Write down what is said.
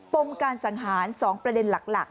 ปมการสังหาร๒ประเด็นหลัก